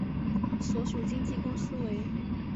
所属经纪公司为。